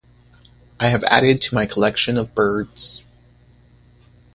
I have added to my collection of birds.